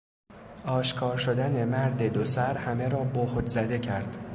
آشکار شدن مرد دوسر همه را بهت زده کرد.